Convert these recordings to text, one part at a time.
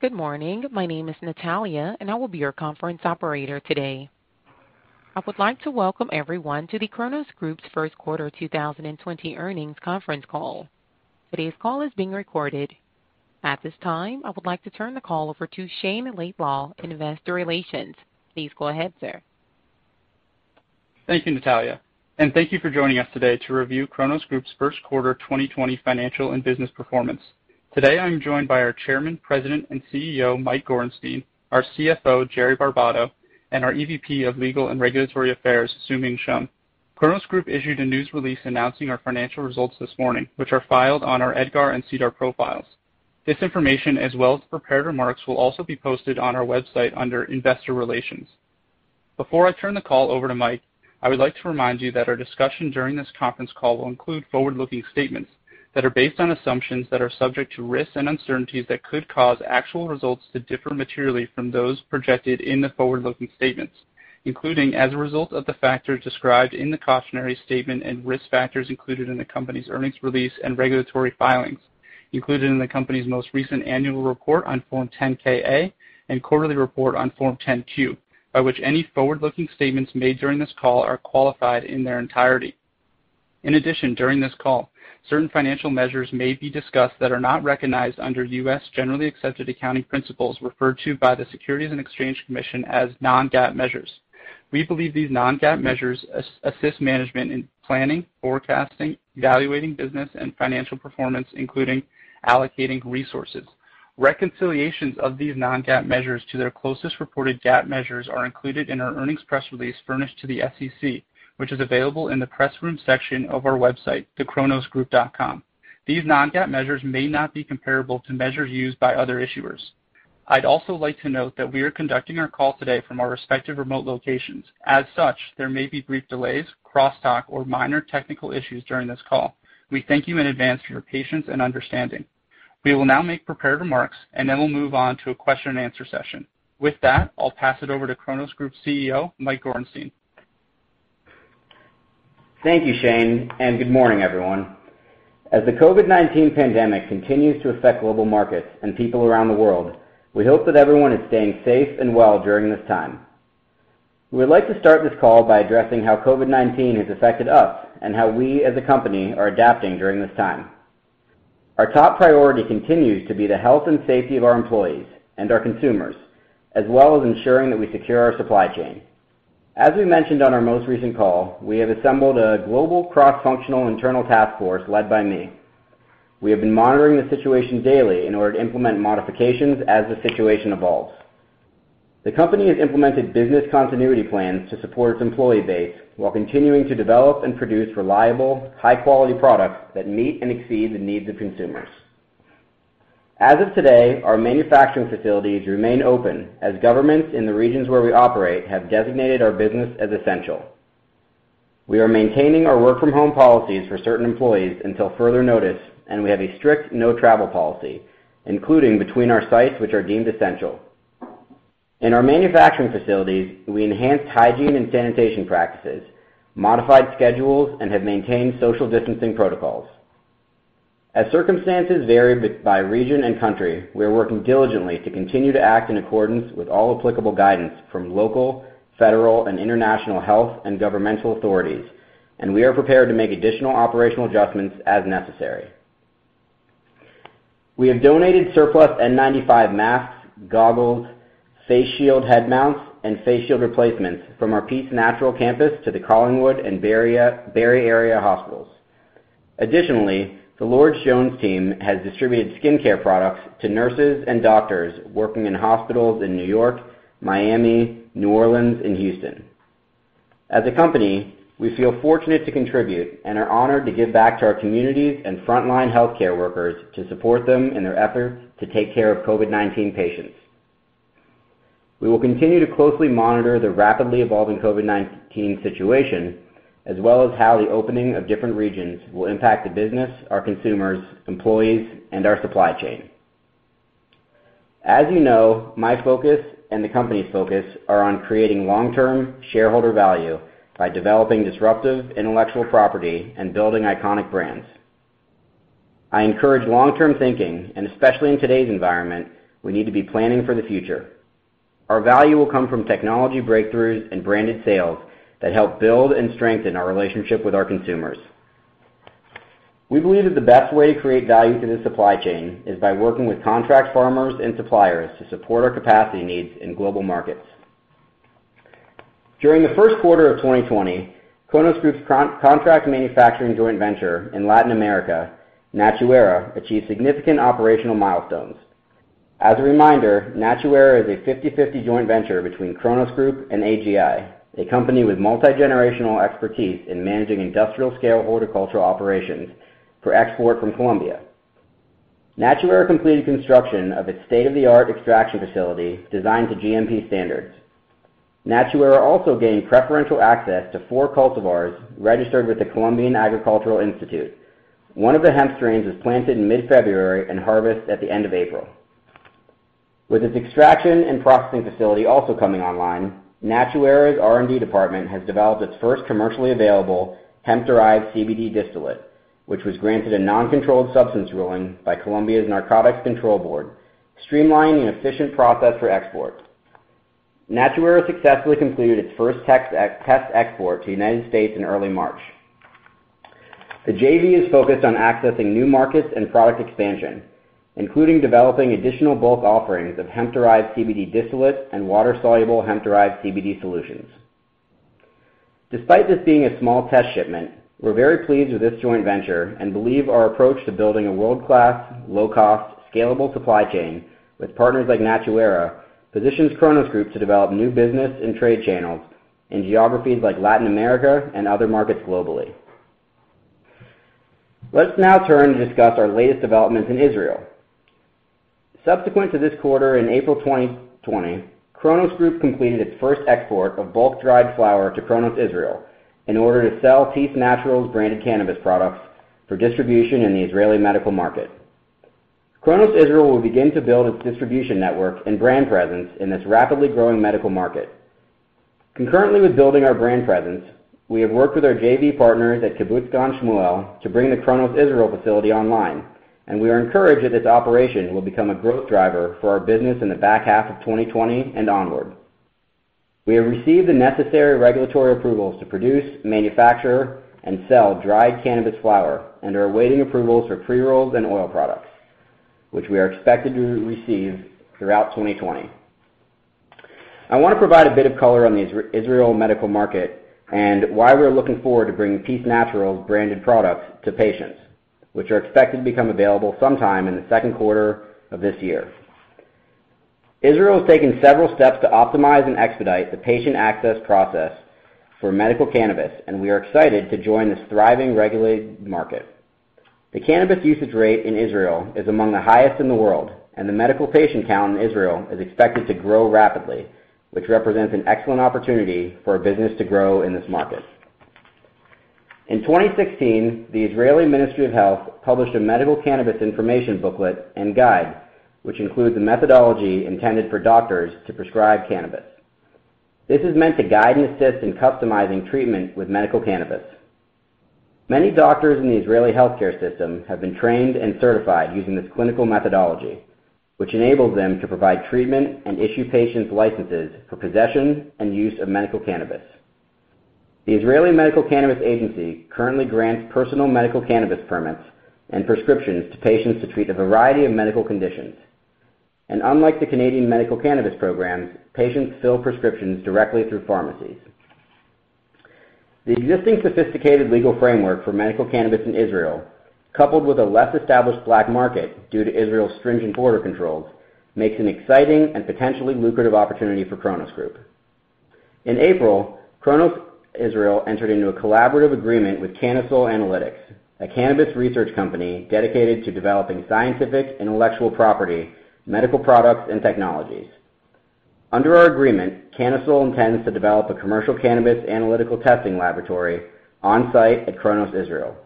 Good morning. My name is Natalia, and I will be your conference operator today. I would like to welcome everyone to the Cronos Group's Q1 2020 earnings conference call. Today's call is being recorded. At this time, I would like to turn the call over to Shayne Laidlaw in Investor Relations. Please go ahead, sir. Thank you, Natalia. Thank you for joining us today to review Cronos Group's Q1 2020 financial and business performance. Today, I'm joined by our Chairman, President, and CEO, Mike Gorenstein, our CFO, Jerry Barbato, and our EVP of Legal and Regulatory Affairs, Xiuming Shum. Cronos Group issued a news release announcing our financial results this morning, which are filed on our EDGAR and SEDAR profiles. This information, as well as prepared remarks, will also be posted on our website under Investor Relations. Before I turn the call over to Mike, I would like to remind you that our discussion during this conference call will include forward-looking statements that are based on assumptions that are subject to risks and uncertainties that could cause actual results to differ materially from those projected in the forward-looking statements, including as a result of the factors described in the cautionary statement and risk factors included in the company's earnings release and regulatory filings, included in the company's most recent annual report on Form 10-K/A and quarterly report on Form 10-Q, by which any forward-looking statements made during this call are qualified in their entirety. In addition, during this call, certain financial measures may be discussed that are not recognized under U.S. Generally Accepted Accounting Principles, referred to by the Securities and Exchange Commission as non-GAAP measures. We believe these non-GAAP measures assist management in planning, forecasting, evaluating business and financial performance, including allocating resources. Reconciliations of these non-GAAP measures to their closest reported GAAP measures are included in our earnings press release furnished to the SEC, which is available in the Press Room section of our website, thecronosgroup.com. These non-GAAP measures may not be comparable to measures used by other issuers. I'd also like to note that we are conducting our call today from our respective remote locations. As such, there may be brief delays, cross-talk, or minor technical issues during this call. We thank you in advance for your patience and understanding. We will now make prepared remarks, and then we'll move on to a question and answer session. With that, I'll pass it over to Cronos Group's CEO, Mike Gorenstein. Thank you, Shayne, and good morning, everyone. As the COVID-19 pandemic continues to affect global markets and people around the world, we hope that everyone is staying safe and well during this time. We would like to start this call by addressing how COVID-19 has affected us and how we as a company are adapting during this time. Our top priority continues to be the health and safety of our employees and our consumers, as well as ensuring that we secure our supply chain. As we mentioned on our most recent call, we have assembled a global cross-functional internal task force led by me. We have been monitoring the situation daily in order to implement modifications as the situation evolves. The company has implemented business continuity plans to support its employee base while continuing to develop and produce reliable, high-quality products that meet and exceed the needs of consumers. As of today, our manufacturing facilities remain open as governments in the regions where we operate have designated our business as essential. We are maintaining our work-from-home policies for certain employees until further notice, and we have a strict no-travel policy, including between our sites, which are deemed essential. In our manufacturing facilities, we enhanced hygiene and sanitation practices, modified schedules, and have maintained social distancing protocols. As circumstances vary by region and country, we are working diligently to continue to act in accordance with all applicable guidance from local, federal, and international health and governmental authorities, and we are prepared to make additional operational adjustments as necessary. We have donated surplus N95 masks, goggles, face shield head mounts, and face shield replacements from our Peace Naturals campus to the Collingwood and Barrie area hospitals. Additionally, the Lord Jones team has distributed skincare products to nurses and doctors working in hospitals in New York, Miami, New Orleans, and Houston. As a company, we feel fortunate to contribute and are honored to give back to our communities and frontline healthcare workers to support them in their efforts to take care of COVID-19 patients. We will continue to closely monitor the rapidly evolving COVID-19 situation, as well as how the opening of different regions will impact the business, our consumers, employees, and our supply chain. As you know, my focus and the company's focus are on creating long-term shareholder value by developing disruptive intellectual property and building iconic brands. I encourage long-term thinking, especially in today's environment, we need to be planning for the future. Our value will come from technology breakthroughs and branded sales that help build and strengthen our relationship with our consumers. We believe that the best way to create value through this supply chain is by working with contract farmers and suppliers to support our capacity needs in global markets. During the Q1 of 2020, Cronos Group's contract manufacturing joint venture in Latin America, NatuEra, achieved significant operational milestones. As a reminder, NatuEra is a 50/50 joint venture between Cronos Group and AGI, a company with multi-generational expertise in managing industrial-scale horticultural operations for export from Colombia. NatuEra completed construction of its state-of-the-art extraction facility designed to GMP standards. NatuEra also gained preferential access to four cultivars registered with the Colombian Agricultural Institute. One of the hemp strains was planted in mid-February and harvested at the end of April. With its extraction and processing facility also coming online, NatuEra's R&D department has developed its first commercially available hemp-derived CBD distillate. Which was granted a non-controlled substance ruling by Colombia's Narcotics Control Board, streamlining an efficient process for export. NatuEra successfully concluded its first test export to the U.S. in early March. The JV is focused on accessing new markets and product expansion, including developing additional bulk offerings of hemp-derived CBD distillate and water-soluble hemp-derived CBD solutions. Despite this being a small test shipment, we're very pleased with this joint venture and believe our approach to building a world-class, low-cost, scalable supply chain with partners like NatuEra positions Cronos Group to develop new business and trade channels in geographies like Latin America and other markets globally. Let's now turn and discuss our latest developments in Israel. Subsequent to this quarter in April 2020, Cronos Group completed its first export of bulk dried flower to Cronos Israel in order to sell PEACE NATURALS branded cannabis products for distribution in the Israeli medical market. Cronos Israel will begin to build its distribution network and brand presence in this rapidly growing medical market. Concurrently with building our brand presence, we have worked with our JV partners at Kibbutz Gan Shmuel to bring the Cronos Israel facility online, and we are encouraged that this operation will become a growth driver for our business in the back half of 2020 and onward. We have received the necessary regulatory approvals to produce, manufacture, and sell dried cannabis flower, and are awaiting approvals for pre-rolls and oil products, which we are expected to receive throughout 2020. I want to provide a bit of color on the Israel medical market and why we're looking forward to bringing PEACE NATURALS branded products to patients, which are expected to become available sometime in the Q2 of this year. Israel has taken several steps to optimize and expedite the patient access process for medical cannabis, and we are excited to join this thriving, regulated market. The cannabis usage rate in Israel is among the highest in the world, and the medical patient count in Israel is expected to grow rapidly, which represents an excellent opportunity for business to grow in this market. In 2016, the Israeli Ministry of Health published a medical cannabis information booklet and guide, which includes a methodology intended for doctors to prescribe cannabis. This is meant to guide and assist in customizing treatment with medical cannabis. Many doctors in the Israeli healthcare system have been trained and certified using this clinical methodology, which enables them to provide treatment and issue patients licenses for possession and use of medical cannabis. The Israeli Medical Cannabis Agency currently grants personal medical cannabis permits and prescriptions to patients to treat a variety of medical conditions. Unlike the Canadian Medical Cannabis Program, patients fill prescriptions directly through pharmacies. The existing sophisticated legal framework for medical cannabis in Israel, coupled with a less established black market due to Israel's stringent border controls, makes an exciting and potentially lucrative opportunity for Cronos Group. In April, Cronos Israel entered into a collaborative agreement with Cannasoul Analytics, a cannabis research company dedicated to developing scientific intellectual property, medical products, and technologies. Under our agreement, Cannasoul intends to develop a commercial cannabis analytical testing laboratory on-site at Cronos Israel.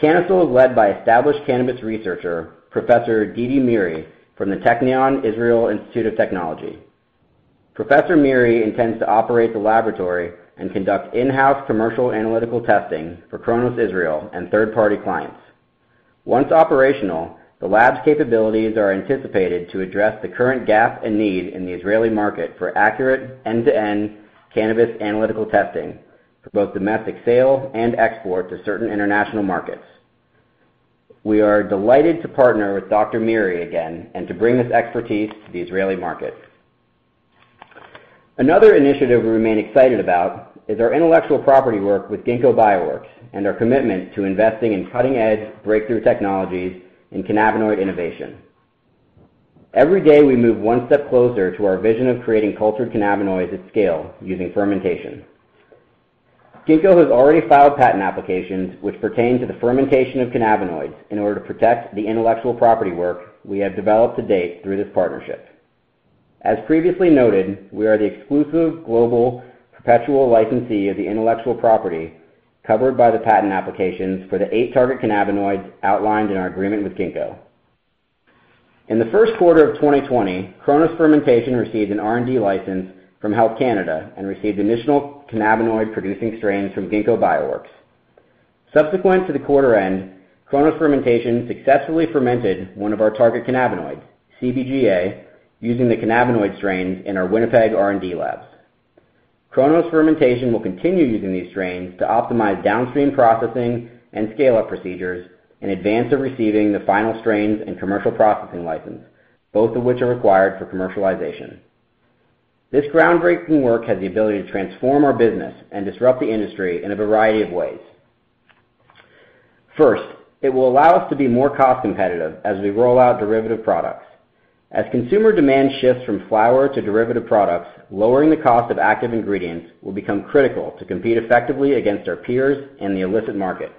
Cannasoul is led by established cannabis researcher, Professor Dedi Meiri, from the Technion – Israel Institute of Technology. Professor Meiri intends to operate the laboratory and conduct in-house commercial analytical testing for Cronos Israel and third-party clients. Once operational, the lab's capabilities are anticipated to address the current gap and need in the Israeli market for accurate end-to-end cannabis analytical testing for both domestic sale and export to certain international markets. We are delighted to partner with Dr. Meiri again and to bring this expertise to the Israeli market. Another initiative we remain excited about is our intellectual property work with Ginkgo Bioworks and our commitment to investing in cutting-edge breakthrough technologies in cannabinoid innovation. Every day, we move one step closer to our vision of creating cultured cannabinoids at scale using fermentation. Ginkgo has already filed patent applications which pertain to the fermentation of cannabinoids in order to protect the intellectual property work we have developed to date through this partnership. As previously noted, we are the exclusive global perpetual licensee of the intellectual property covered by the patent applications for the eight target cannabinoids outlined in our agreement with Ginkgo. In the Q1 of 2020, Cronos Fermentation received an R&D license from Health Canada and received initial cannabinoid-producing strains from Ginkgo Bioworks. Subsequent to the quarter end, Cronos Fermentation successfully fermented one of our target cannabinoids, CBGA, using the cannabinoid strains in our Winnipeg R&D labs. Cronos Fermentation will continue using these strains to optimize downstream processing and scale-up procedures in advance of receiving the final strains and commercial processing license, both of which are required for commercialization. This groundbreaking work has the ability to transform our business and disrupt the industry in a variety of ways. First, it will allow us to be more cost-competitive as we roll out derivative products. As consumer demand shifts from flower to derivative products, lowering the cost of active ingredients will become critical to compete effectively against our peers in the illicit market.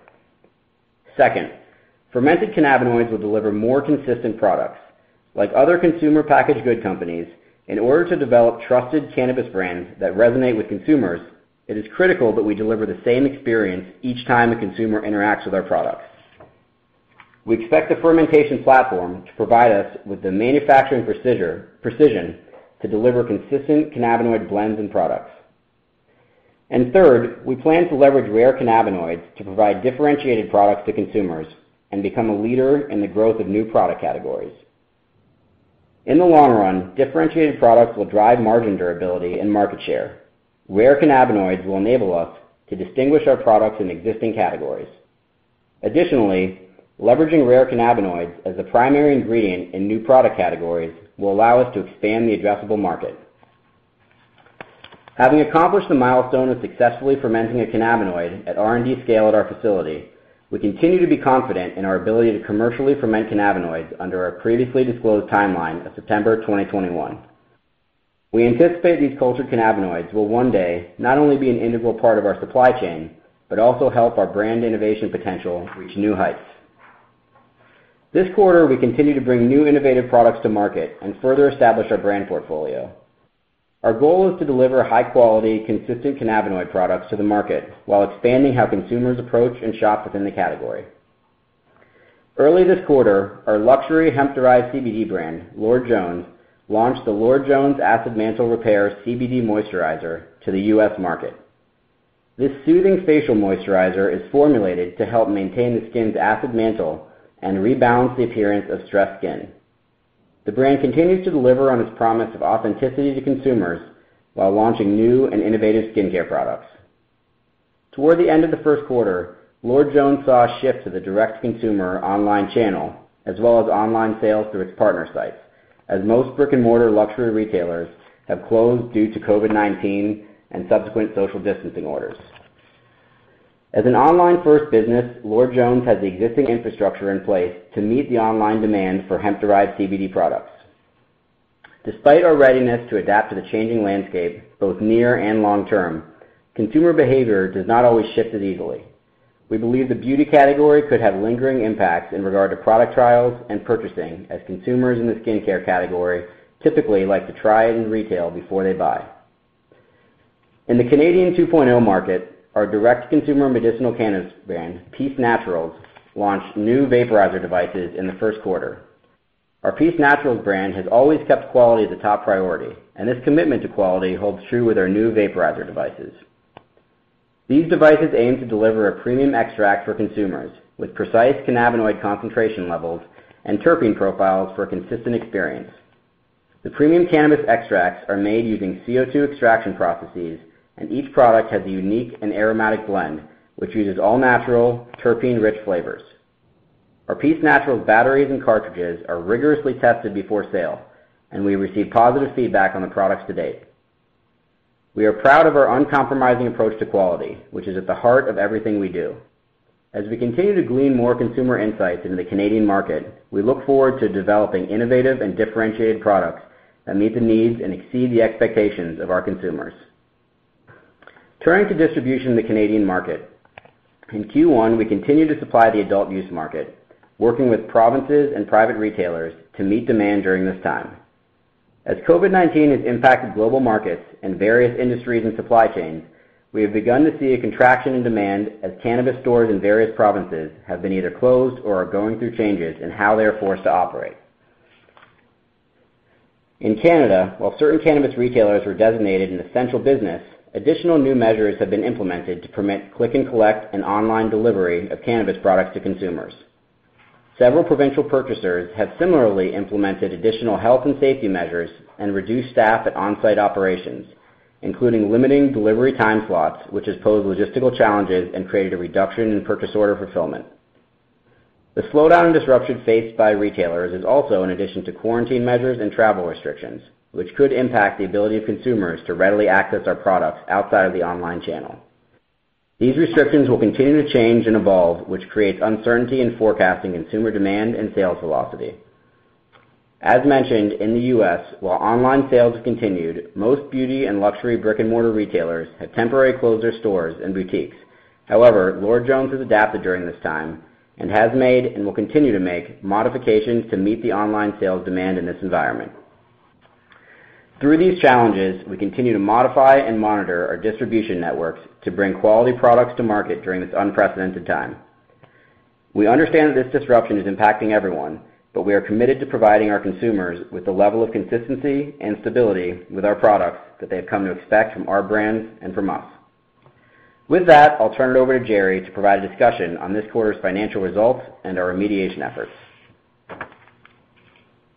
Second, fermented cannabinoids will deliver more consistent products. Like other consumer packaged goods companies, in order to develop trusted cannabis brands that resonate with consumers, it is critical that we deliver the same experience each time a consumer interacts with our products. We expect the fermentation platform to provide us with the manufacturing precision to deliver consistent cannabinoid blends and products. Third, we plan to leverage rare cannabinoids to provide differentiated products to consumers and become a leader in the growth of new product categories. In the long run, differentiated products will drive margin durability and market share. Rare cannabinoids will enable us to distinguish our products in existing categories. Additionally, leveraging rare cannabinoids as a primary ingredient in new product categories will allow us to expand the addressable market. Having accomplished the milestone of successfully fermenting a cannabinoid at R&D scale at our facility, we continue to be confident in our ability to commercially ferment cannabinoids under our previously disclosed timeline of September 2021. We anticipate these cultured cannabinoids will one day not only be an integral part of our supply chain, but also help our brand innovation potential reach new heights. This quarter, we continue to bring new innovative products to market and further establish our brand portfolio. Our goal is to deliver high-quality, consistent cannabinoid products to the market while expanding how consumers approach and shop within the category. Early this quarter, our luxury hemp-derived CBD brand, Lord Jones, launched the Lord Jones Acid Mantle Repair CBD Moisturizer to the U.S. market. This soothing facial moisturizer is formulated to help maintain the skin's acid mantle and rebalance the appearance of stressed skin. The brand continues to deliver on its promise of authenticity to consumers while launching new and innovative skincare products. Toward the end of the Q1, Lord Jones saw a shift to the direct-to-consumer online channel, as well as online sales through its partner sites, as most brick-and-mortar luxury retailers have closed due to COVID-19 and subsequent social distancing orders. As an online-first business, Lord Jones has the existing infrastructure in place to meet the online demand for hemp-derived CBD products. Despite our readiness to adapt to the changing landscape, both near and long term, consumer behavior does not always shift as easily. We believe the beauty category could have lingering impacts in regard to product trials and purchasing, as consumers in the skincare category typically like to try it in retail before they buy. In the Cannabis two point zero market, our direct-to-consumer medicinal cannabis brand, Peace Naturals, launched new vaporizer devices in the Q1. Our Peace Naturals brand has always kept quality the top priority, and this commitment to quality holds true with our new vaporizer devices. These devices aim to deliver a premium extract for consumers with precise cannabinoid concentration levels and terpene profiles for a consistent experience. The premium cannabis extracts are made using CO2 extraction processes, and each product has a unique and aromatic blend, which uses all-natural, terpene-rich flavors. Our Peace Naturals batteries and cartridges are rigorously tested before sale, and we receive positive feedback on the products to date. We are proud of our uncompromising approach to quality, which is at the heart of everything we do. As we continue to glean more consumer insights into the Canadian market, we look forward to developing innovative and differentiated products that meet the needs and exceed the expectations of our consumers. Turning to distribution in the Canadian market. In Q1, we continued to supply the adult use market, working with provinces and private retailers to meet demand during this time. As COVID-19 has impacted global markets and various industries and supply chains, we have begun to see a contraction in demand as cannabis stores in various provinces have been either closed or are going through changes in how they are forced to operate. In Canada, while certain cannabis retailers were designated an essential business, additional new measures have been implemented to permit click and collect and online delivery of cannabis products to consumers. Several provincial purchasers have similarly implemented additional health and safety measures and reduced staff at on-site operations, including limiting delivery time slots, which has posed logistical challenges and created a reduction in purchase order fulfillment. The slowdown and disruption faced by retailers is also in addition to quarantine measures and travel restrictions, which could impact the ability of consumers to readily access our products outside of the online channel. These restrictions will continue to change and evolve, which creates uncertainty in forecasting consumer demand and sales velocity. As mentioned, in the U.S., while online sales have continued, most beauty and luxury brick-and-mortar retailers have temporarily closed their stores and boutiques. Lord Jones has adapted during this time and has made, and will continue to make, modifications to meet the online sales demand in this environment. Through these challenges, we continue to modify and monitor our distribution networks to bring quality products to market during this unprecedented time. We understand that this disruption is impacting everyone, we are committed to providing our consumers with the level of consistency and stability with our products that they have come to expect from our brands and from us. With that, I'll turn it over to Jerry to provide a discussion on this quarter's financial results and our remediation efforts.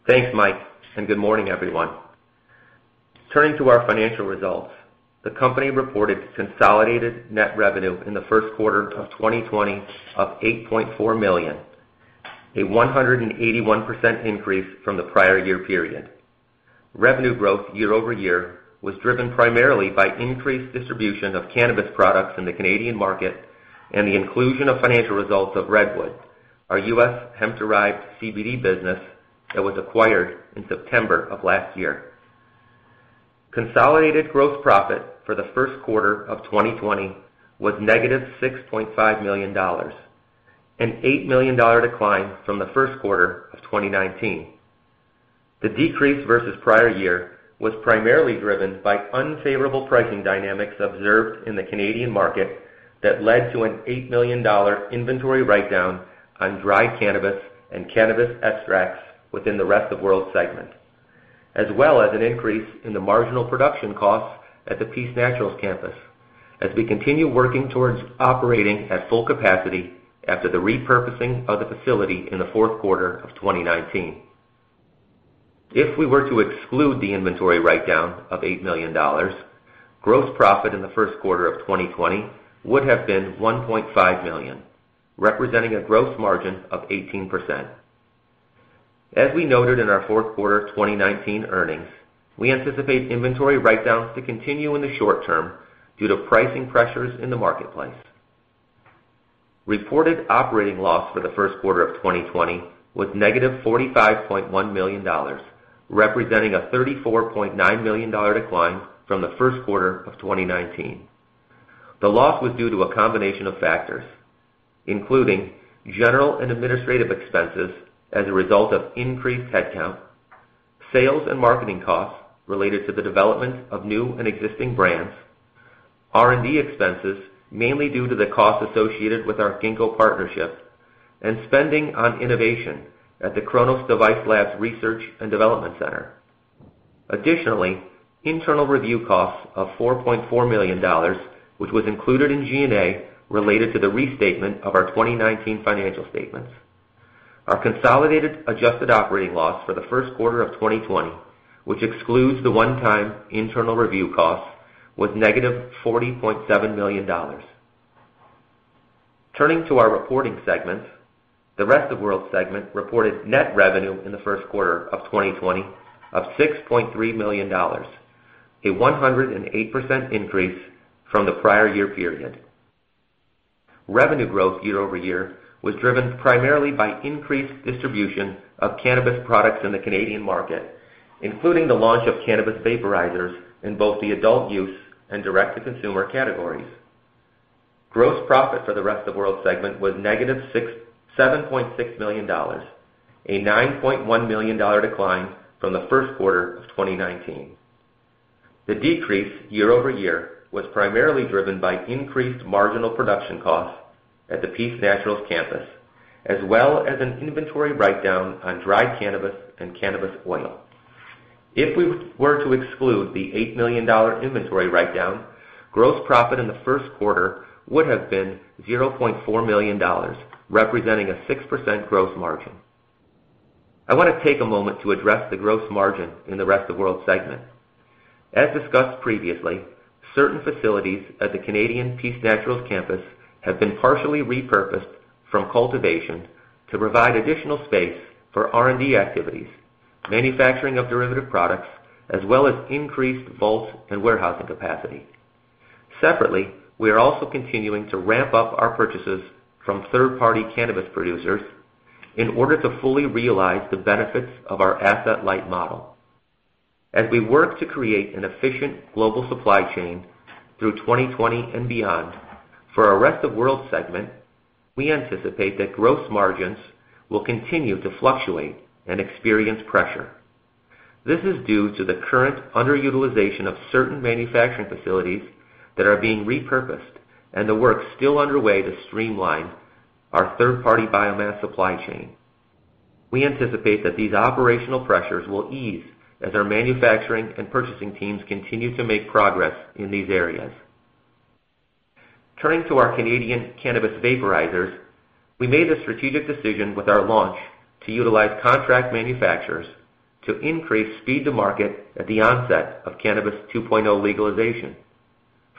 Thanks, Mike, and good morning, everyone. Turning to our financial results, the company reported consolidated net revenue in the Q1 of 2020 of 8.4 million, a 181% increase from the prior year-over-year period. Revenue growth year-over-year was driven primarily by increased distribution of cannabis products in the Canadian market and the inclusion of financial results of Redwood, our U.S. hemp-derived CBD business that was acquired in September of last year. Consolidated gross profit for the Q1 of 2020 was negative 6.5 million dollars, a 8 million dollar decline from the Q1 of 2019. The decrease versus prior year was primarily driven by unfavorable pricing dynamics observed in the Canadian market that led to a 8 million dollar inventory write-down on dry cannabis and cannabis extracts within the Rest of World segment, as well as an increase in the marginal production costs at the Peace Naturals campus as we continue working towards operating at full capacity after the repurposing of the facility in the Q4 of 2019. If we were to exclude the inventory write-down of 8 million dollars, gross profit in the Q1 of 2020 would have been 1.5 million, representing a gross margin of 18%. As we noted in our Q4 2019 earnings, we anticipate inventory write-downs to continue in the short term due to pricing pressures in the marketplace. Reported operating loss for the Q1 of 2020 was negative 45.1 million dollars, representing a 34.9 million dollar decline from the Q1 of 2019. The loss was due to a combination of factors, including general and administrative expenses as a result of increased headcount, sales and marketing costs related to the development of new and existing brands, R&D expenses, mainly due to the costs associated with our Ginkgo partnership, and spending on innovation at the Cronos Device Labs Research and Development Center. Additionally, internal review costs of 4.4 million dollars, which was included in G&A, related to the restatement of our 2019 financial statements. Our consolidated adjusted operating loss for the Q1 of 2020, which excludes the one-time internal review cost, was negative 40.7 million dollars. Turning to our reporting segments, the Rest of World segment reported net revenue in the Q1 of 2020 of 6.3 million dollars, a 108% increase from the prior year period. Revenue growth year-over-year was driven primarily by increased distribution of cannabis products in the Canadian market, including the launch of cannabis vaporizers in both the adult use and direct-to-consumer categories. Gross profit for the Rest of World segment was negative 7.6 million dollars, a 9.1 million dollar decline from the Q1 of 2019. The decrease year-over-year was primarily driven by increased marginal production costs at the Peace Naturals campus, as well as an inventory write-down on dry cannabis and cannabis oil. If we were to exclude the 8 million dollar inventory write-down, gross profit in the Q1 would have been 0.4 million dollars, representing a 6% gross margin. I want to take a moment to address the gross margin in the Rest of World segment. As discussed previously, certain facilities at the Canadian Peace Naturals campus have been partially repurposed from cultivation to provide additional space for R&D activities, manufacturing of derivative products, as well as increased vault and warehousing capacity. Separately, we are also continuing to ramp up our purchases from third-party cannabis producers in order to fully realize the benefits of our asset-light model. As we work to create an efficient global supply chain through 2020 and beyond for our Rest of World segment, we anticipate that gross margins will continue to fluctuate and experience pressure. This is due to the current underutilization of certain manufacturing facilities that are being repurposed and the work still underway to streamline our third-party biomass supply chain. We anticipate that these operational pressures will ease as our manufacturing and purchasing teams continue to make progress in these areas. Turning to our Canadian cannabis vaporizers, we made the strategic decision with our launch to utilize contract manufacturers to increase speed to market at the onset of Cannabis two point zero legalization.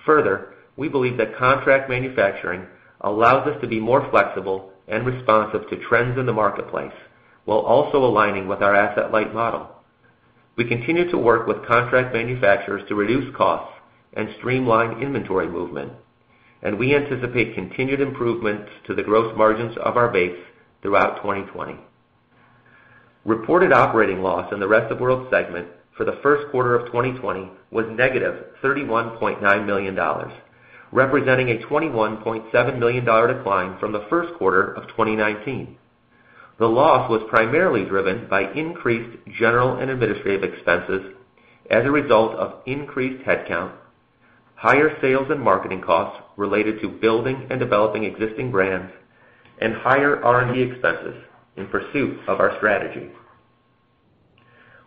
Further we believe that contract manufacturing allows us to be more flexible and responsive to trends in the marketplace while also aligning with our asset-light model. We continue to work with contract manufacturers to reduce costs and streamline inventory movement, and we anticipate continued improvements to the gross margins of our vapes throughout 2020. Reported operating loss in the Rest of World segment for the Q1 of 2020 was negative CAD 31.9 million, representing a CAD 21.7 million decline from the Q1 of 2019. The loss was primarily driven by increased general and administrative expenses as a result of increased headcount, higher sales and marketing costs related to building and developing existing brands, and higher R&D expenses in pursuit of our strategy.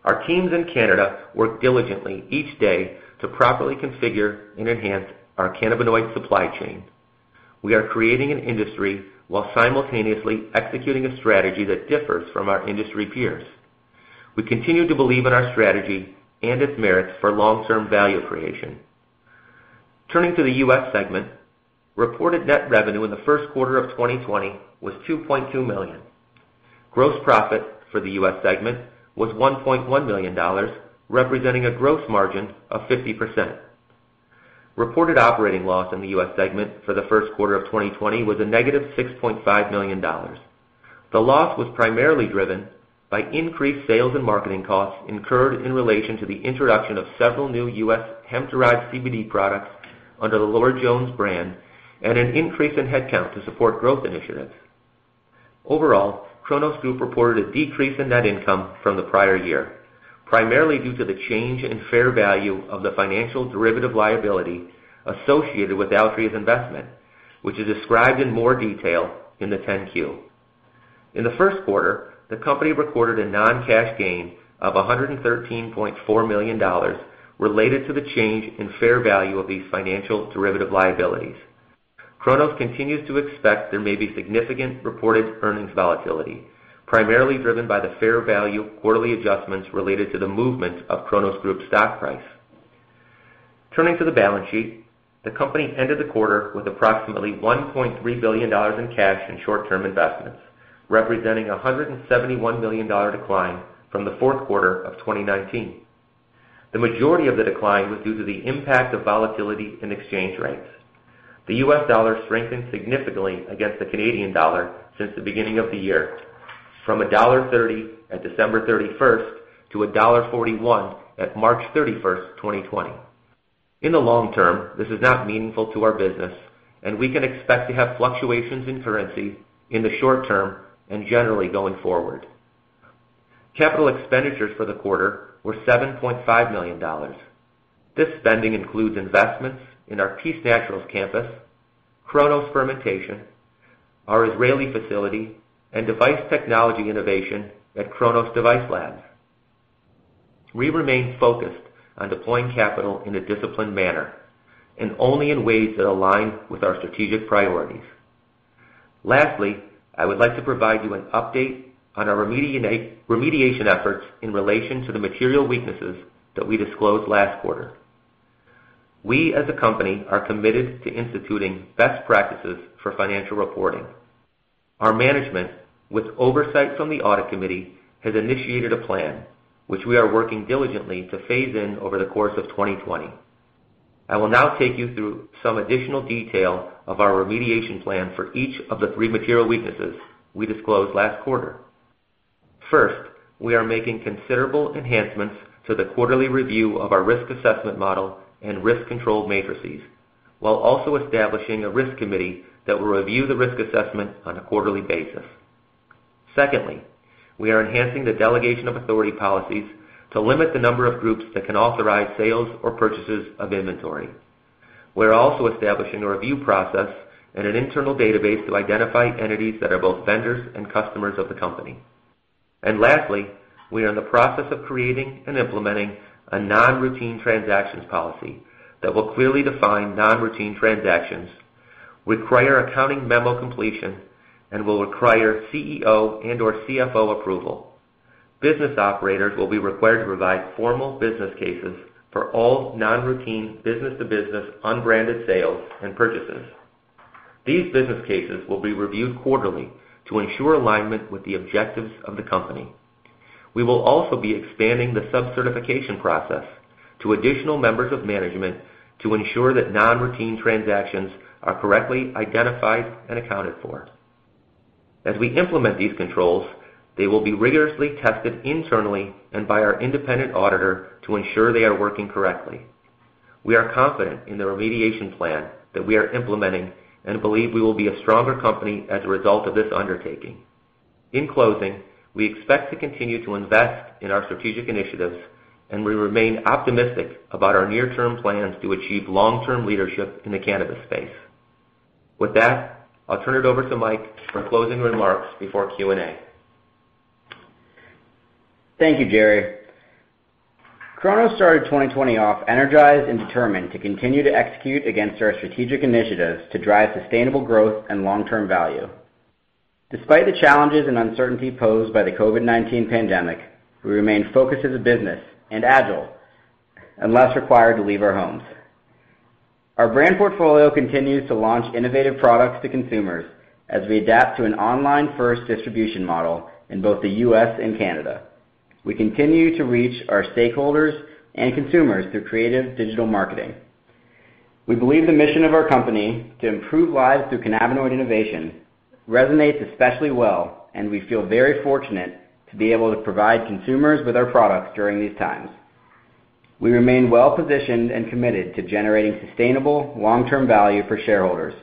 Our teams in Canada work diligently each day to properly configure and enhance our cannabinoid supply chain. We are creating an industry while simultaneously executing a strategy that differs from our industry peers. We continue to believe in our strategy and its merits for long-term value creation. Turning to the U.S. segment, reported net revenue in the Q1 of 2020 was 2.2 million. Gross profit for the U.S. segment was 1.1 million dollars, representing a gross margin of 50%. Reported operating loss in the U.S. segment for the Q1 of 2020 was a negative 6.5 million dollars. The loss was primarily driven by increased sales and marketing costs incurred in relation to the introduction of several new U.S. hemp-derived CBD products under the Lord Jones brand and an increase in headcount to support growth initiatives. Overall, Cronos Group reported a decrease in net income from the prior year, primarily due to the change in fair value of the financial derivative liability associated with Altria's investment, which is described in more detail in the 10-Q. In the Q1, the company recorded a non-cash gain of 113.4 million dollars related to the change in fair value of these financial derivative liabilities. Cronos continues to expect there may be significant reported earnings volatility, primarily driven by the fair value quarterly adjustments related to the movements of Cronos Group's stock price. Turning to the balance sheet, the company ended the quarter with approximately 1.3 billion dollars in cash and short-term investments, representing a 171 million dollar decline from the Q4 of 2019. The majority of the decline was due to the impact of volatility in exchange rates. The U.S. dollar strengthened significantly against the Canadian dollar since the beginning of the year, from dollar 1.30 at December 31st to dollar 1.41 at March 31st, 2020. In the long term, this is not meaningful to our business, we can expect to have fluctuations in currency in the short term and generally going forward. Capital expenditures for the quarter were 7.5 million dollars. This spending includes investments in our PEACE NATURALS campus, Cronos Fermentation, our Israeli facility, and device technology innovation at Cronos Device Labs. We remain focused on deploying capital in a disciplined manner and only in ways that align with our strategic priorities. Lastly, I would like to provide you an update on our remediation efforts in relation to the material weaknesses that we disclosed last quarter. We, as a company, are committed to instituting best practices for financial reporting. Our management, with oversight from the audit committee, has initiated a plan which we are working diligently to phase in over the course of 2020. I will now take you through some additional detail of our remediation plan for each of the three material weaknesses we disclosed last quarter. First, we are making considerable enhancements to the quarterly review of our risk assessment model and risk control matrices, while also establishing a risk committee that will review the risk assessment on a quarterly basis. Secondly, we are enhancing the delegation of authority policies to limit the number of groups that can authorize sales or purchases of inventory. We're also establishing a review process and an internal database to identify entities that are both vendors and customers of the company. Lastly, we are in the process of creating and implementing a non-routine transactions policy that will clearly define non-routine transactions, require accounting memo completion, and will require CEO and/or CFO approval. Business operators will be required to provide formal business cases for all non-routine business-to-business unbranded sales and purchases. These business cases will be reviewed quarterly to ensure alignment with the objectives of the company. We will also be expanding the sub-certification process to additional members of management to ensure that non-routine transactions are correctly identified and accounted for. As we implement these controls, they will be rigorously tested internally and by our independent auditor to ensure they are working correctly. We are confident in the remediation plan that we are implementing and believe we will be a stronger company as a result of this undertaking. In closing, we expect to continue to invest in our strategic initiatives, and we remain optimistic about our near-term plans to achieve long-term leadership in the cannabis space. With that, I'll turn it over to Mike for closing remarks before Q&A. Thank you, Jerry. Cronos started 2020 off energized and determined to continue to execute against our strategic initiatives to drive sustainable growth and long-term value. Despite the challenges and uncertainty posed by the COVID-19 pandemic, we remain focused as a business and agile unless required to leave our homes. Our brand portfolio continues to launch innovative products to consumers as we adapt to an online-first distribution model in both the U.S. and Canada. We continue to reach our stakeholders and consumers through creative digital marketing. We believe the mission of our company, to improve lives through cannabinoid innovation, resonates especially well, and we feel very fortunate to be able to provide consumers with our products during these times. We remain well-positioned and committed to generating sustainable long-term value for shareholders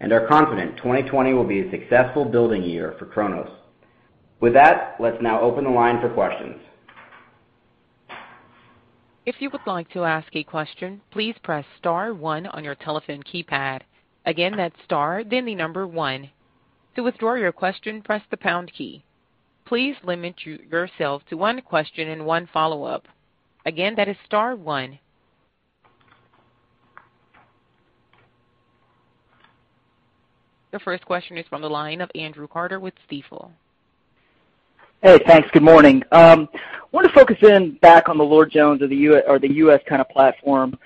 and are confident 2020 will be a successful building year for Cronos. With that, let's now open the line for questions. If you would like to ask a question, please press star one on your telephone keypad. Again, that's star, then the number one. To withdraw your question, press the hash key. Please limit yourselves to one question and one follow-up. Again, that is star one. Your first question is from the line of Andrew Carter with Stifel. Hey, thanks. Good morning. I want to focus in back on the Lord Jones of the U.S. kind of platform.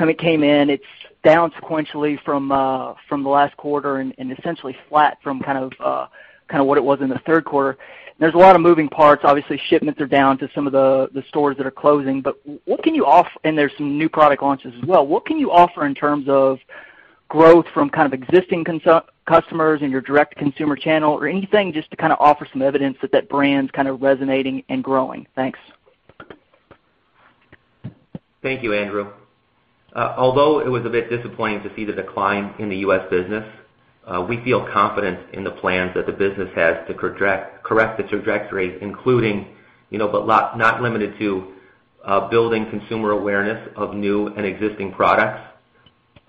It came in, it's down sequentially from the last quarter and essentially flat from what it was in the Q3. There's a lot of moving parts. Obviously, shipments are down to some of the stores that are closing, but what can you offer. There's some new product launches as well. What can you offer in terms of growth from existing customers in your direct-to-consumer channel or anything just to kind of offer some evidence that brand's resonating and growing? Thanks. Thank you Andrew. It was a bit disappointing to see the decline in the U.S. business, we feel confident in the plans that the business has to correct its trajectory, including, but not limited to, building consumer awareness of new and existing products,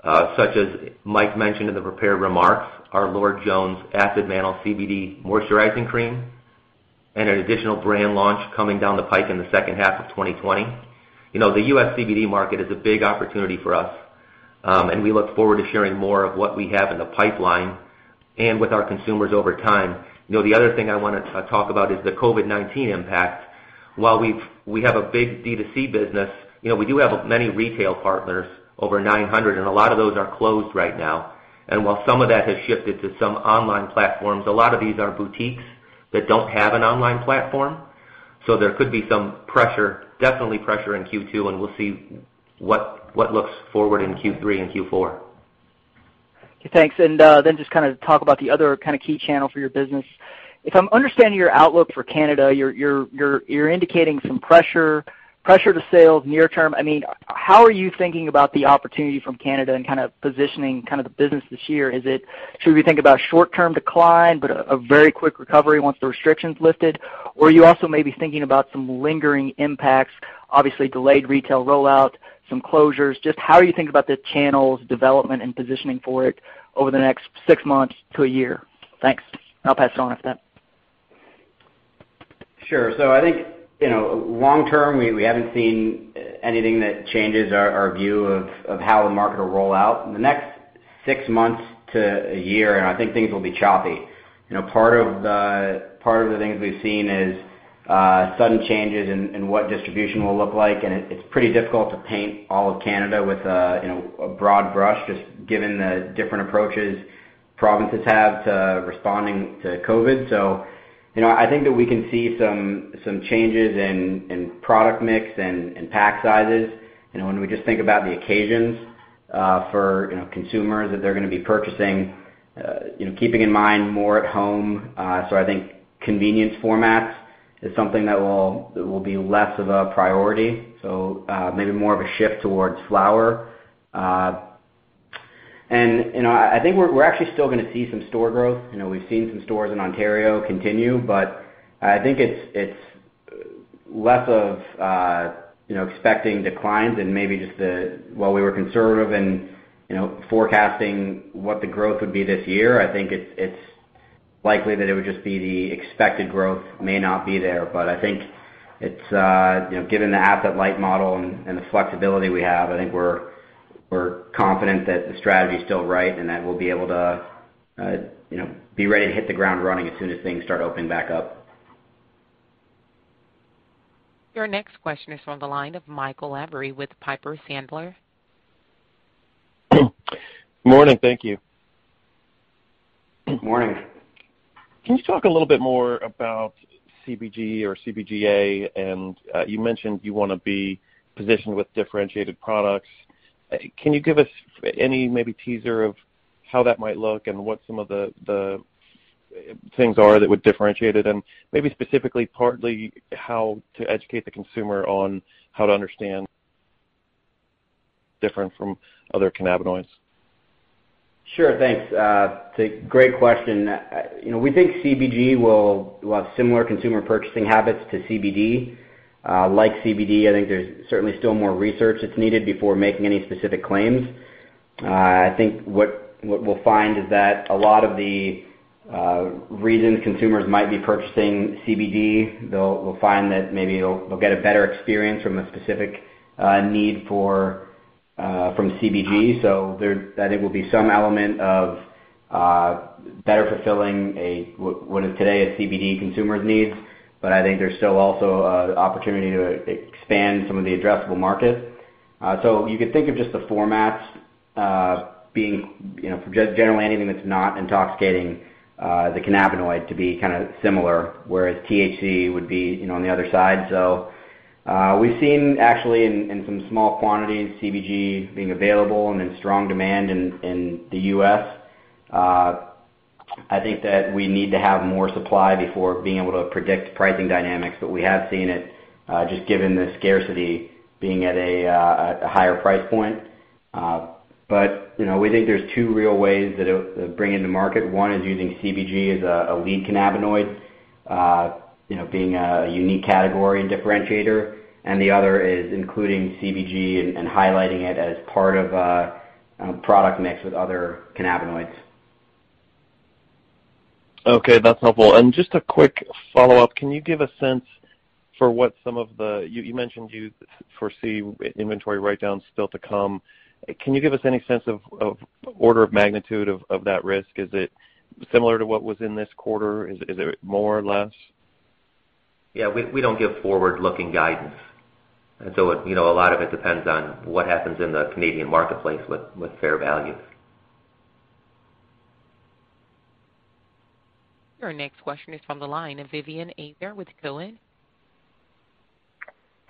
such as Mike mentioned in the prepared remarks, our Lord Jones Acid Mantle Repair CBD Moisturizer, and an additional brand launch coming down the pike in the H2 of 2020. The U.S. CBD market is a big opportunity for us, and we look forward to sharing more of what we have in the pipeline and with our consumers over time. The other thing I want to talk about is the COVID-19 impact. While we have a big D2C business, we do have many retail partners, over 900, and a lot of those are closed right now. While some of that has shifted to some online platforms, a lot of these are boutiques that don't have an online platform. There could be some pressure, definitely pressure, in Q2, and we'll see what looks forward in Q3 and Q4. Okay, thanks. Just talk about the other key channel for your business. If I'm understanding your outlook for Canada, you're indicating some pressure to sales near term. How are you thinking about the opportunity from Canada and positioning the business this year? Should we think about short-term decline, but a very quick recovery once the restriction's lifted? Are you also maybe thinking about some lingering impacts, obviously delayed retail rollout, some closures? Just how are you thinking about the channel's development and positioning for it over the next six months to a year? Thanks. I'll pass it on if that Sure. I think, long term, we haven't seen anything that changes our view of how the market will roll out. In the next six months to a year, I think things will be choppy. Part of the things we've seen is sudden changes in what distribution will look like, and it's pretty difficult to paint all of Canada with a broad brush, just given the different approaches provinces have to responding to COVID. So I think that we can see some changes in product mix and pack sizes. When we just think about the occasions for consumers, if they're going to be purchasing, keeping in mind more at home, so I think convenience formats is something that will be less of a priority. Maybe more of a shift towards flower. I think we're actually still going to see some store growth. We've seen some stores in Ontario continue, but I think it's less of expecting declines and maybe just while we were conservative in forecasting what the growth would be this year, I think it's likely that it would just be the expected growth may not be there. I think given the asset-light model and the flexibility we have, I think we're confident that the strategy's still right and that we'll be able to be ready to hit the ground running as soon as things start opening back up. Your next question is from the line of Michael Lavery with Piper Sandler. Morning. Thank you. Morning. Can you talk a little bit more about CBG or CBGA? You mentioned you want to be positioned with differentiated products. Can you give us any maybe teaser of how that might look and what some of the things are that would differentiate it, and maybe specifically, partly how to educate the consumer on how to understand different from other cannabinoids? Sure. Thanks. It's a great question. We think CBG will have similar consumer purchasing habits to CBD. Like CBD, I think there's certainly still more research that's needed before making any specific claims. I think what we'll find is that a lot of the reasons consumers might be purchasing CBD, they'll find that maybe they'll get a better experience from a specific need from CBG. That, I think, will be some element of better fulfilling what is today a CBD consumer's needs. I think there's still also an opportunity to expand some of the addressable market. You could think of just the formats being just generally anything that's not intoxicating, the cannabinoid to be kind of similar, whereas THC would be on the other side. We've seen, actually, in some small quantities, CBG being available and in strong demand in the U.S. I think that we need to have more supply before being able to predict pricing dynamics, but we have seen it, just given the scarcity, being at a higher price point. We think there's two real ways that it would bring in the market. One is using CBG as a lead cannabinoid, being a unique category and differentiator, and the other is including CBG and highlighting it as part of a product mix with other cannabinoids. Okay, that's helpful. And just a quick follow-up, you mentioned you foresee inventory write-downs still to come. Can you give us any sense of order of magnitude of that risk? Is it similar to what was in this quarter? Is it more or less? Yeah. We don't give forward-looking guidance. A lot of it depends on what happens in the Canadian marketplace with fair value. Your next question is from the line of Vivien Azer with Cowen.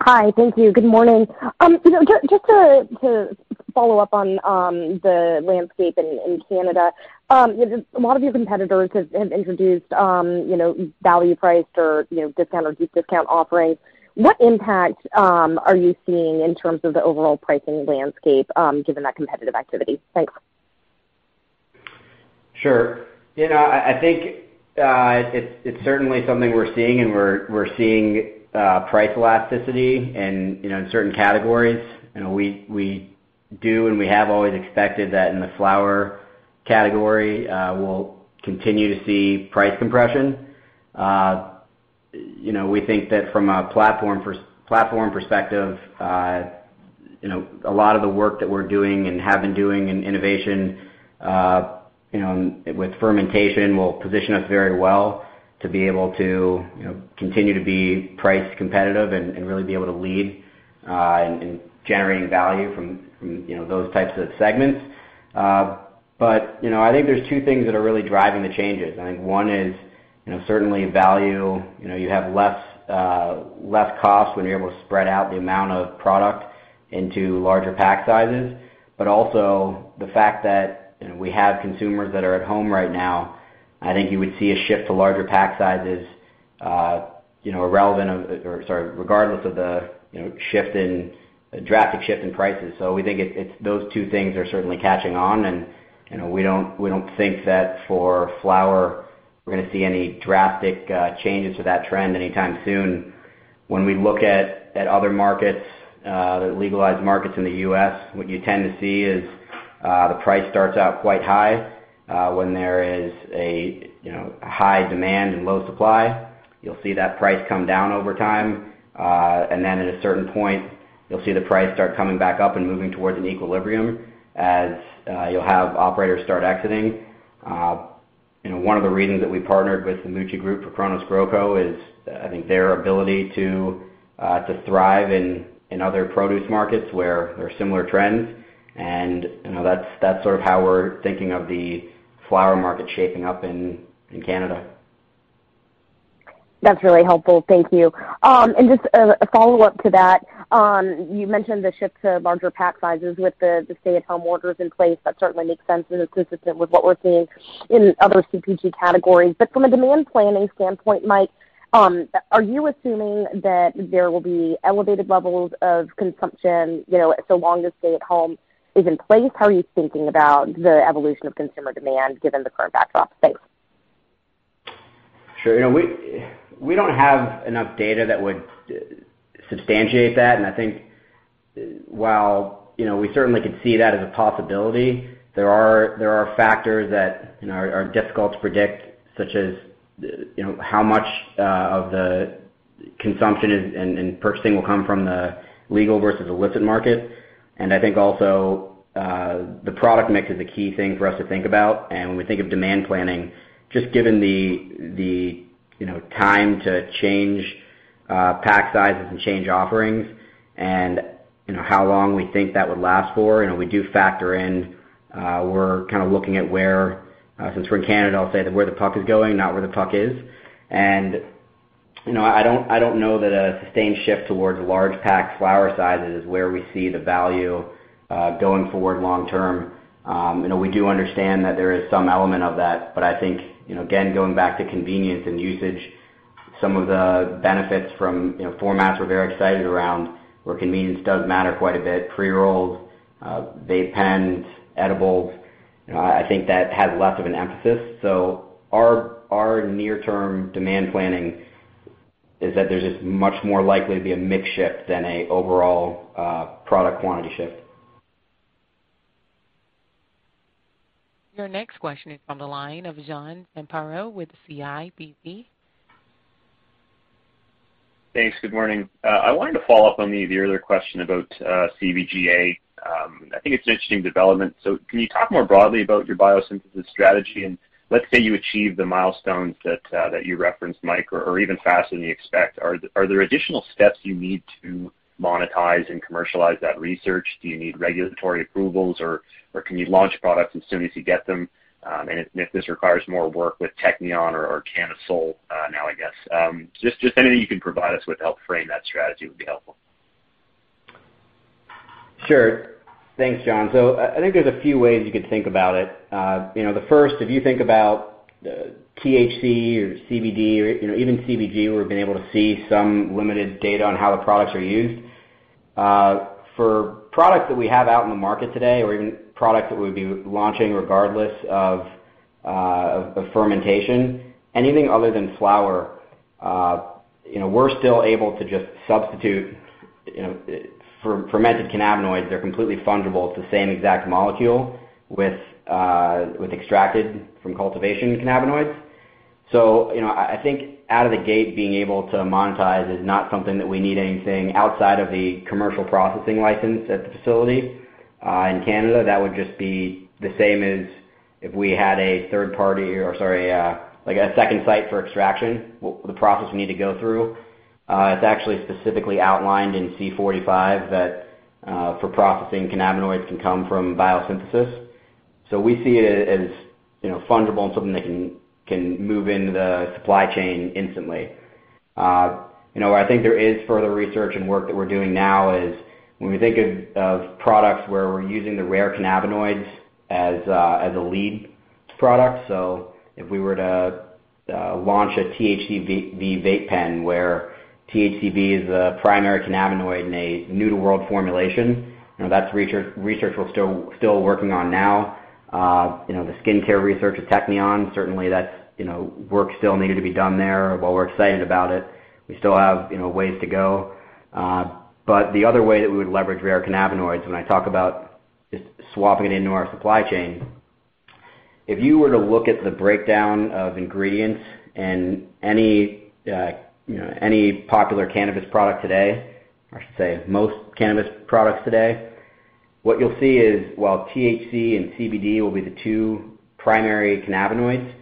Hi. Thank you. Good morning. Just to follow up on the landscape in Canada, a lot of your competitors have introduced value priced or discount or deep discount offerings. What impact are you seeing in terms of the overall pricing landscape, given that competitive activity? Thanks. Sure. I think it's certainly something we're seeing, and we're seeing price elasticity in certain categories. We do, and we have always expected that in the flower category, we'll continue to see price compression. We think that from a platform perspective, a lot of the work that we're doing and have been doing in innovation with fermentation will position us very well to be able to continue to be priced competitive and really be able to lead in generating value from those types of segments. I think there's two things that are really driving the changes. I think one is certainly value. You have less cost when you're able to spread out the amount of product into larger pack sizes, but also the fact that we have consumers that are at home right now. I think you would see a shift to larger pack sizes regardless of the drastic shift in prices. We think it's those two things are certainly catching on, and we don't think that for flower, we're going to see any drastic changes to that trend anytime soon. When we look at other legalized markets in the U.S., what you tend to see is the price starts out quite high. When there is a high demand and low supply, you'll see that price come down over time. At a certain point, you'll see the price start coming back up and moving towards an equilibrium as you'll have operators start exiting. One of the reasons that we partnered with the Mucci Group for Cronos GrowCo is, I think their ability to thrive in other produce markets where there are similar trends, and that's sort of how we're thinking of the flower market shaping up in Canada. That's really helpful. Thank you. Just a follow-up to that. You mentioned the shift to larger pack sizes with the stay-at-home orders in place. That certainly makes sense and is consistent with what we're seeing in other CPG categories. From a demand planning standpoint, Mike, are you assuming that there will be elevated levels of consumption so long as stay-at-home is in place? How are you thinking about the evolution of consumer demand given the current backdrop? Thanks. Sure. We don't have enough data that would substantiate that, and I think while we certainly could see that as a possibility, there are factors that are difficult to predict, such as how much of the consumption and purchasing will come from the legal versus illicit market. I think also, the product mix is a key thing for us to think about. When we think of demand planning, just given the time to change pack sizes and change offerings and how long we think that would last for, we do factor in, we're kind of looking at where, since we're in Canada, I'll say where the puck is going, not where the puck is. And you know, I don't know that a sustained shift towards large pack flower sizes is where we see the value going forward long term. We do understand that there is some element of that. I think, again, going back to convenience and usage, some of the benefits from formats we're very excited around where convenience does matter quite a bit, pre-rolled, vape pens, edibles, I think that has less of an emphasis. Our near-term demand planning is that there's just much more likely to be a mix shift than an overall product quantity shift. Your next question is from the line of John Zamparo with CIBC. Thanks. Good morning. I wanted to follow up on the other question about CBGA. I think it's an interesting development. Can you talk more broadly about your biosynthesis strategy? Let's say you achieve the milestones that you referenced, Mike, or even faster than you expect. Are there additional steps you need to monetize and commercialize that research? Do you need regulatory approvals, or can you launch products as soon as you get them? If this requires more work with Technion or Cannasoul now, I guess. Anything you can provide us with to help frame that strategy would be helpful. Sure. Thanks, John. I think there's a few ways you could think about it. The first, if you think about THC or CBD or even CBG, we've been able to see some limited data on how the products are used. For products that we have out in the market today, or even products that we'll be launching regardless of fermentation, anything other than flower, we're still able to just substitute. For fermented cannabinoids, they're completely fungible. It's the same exact molecule with extracted from cultivation cannabinoids. So I think out of the gate, being able to monetize is not something that we need anything outside of the commercial processing license at the facility in Canada. That would just be the same as if we had a second site for extraction, the process we need to go through. It's actually specifically outlined in C-45 that for processing cannabinoids can come from biosynthesis. We see it as fundable and something that can move into the supply chain instantly. Where I think there is further research and work that we're doing now is when we think of products where we're using the rare cannabinoids as a lead product. If we were to launch a THCV vape pen where THCV is the primary cannabinoid in a new-to-world formulation, that's research we're still working on now. The skincare research at Technion, certainly work still needed to be done there. While we're excited about it, we still have ways to go. But the other way that we would leverage rare cannabinoids, when I talk about just swapping it into our supply chain, if you were to look at the breakdown of ingredients in any popular cannabis product today, or I should say most cannabis products today, what you'll see is while THC and CBD will be the two primary cannabinoids,